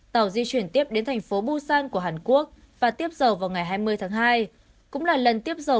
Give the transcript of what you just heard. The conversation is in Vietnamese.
tàu di chuyển tiếp đến thành phố busan của hàn quốc và tiếp giờ vào ngày hai mươi tháng hai cũng là lần tiếp dầu